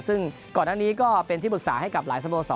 ซึ่งก่อนอันนี้ก็เป็นที่ปรึกษาให้กับหลายสโมสร